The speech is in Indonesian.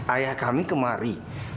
ayah kami kemari